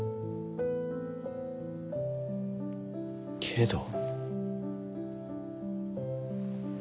けれど。